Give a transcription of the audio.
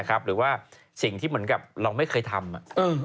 นะครับหรือว่าสิ่งที่เหมือนกับเราไม่เคยทำเออ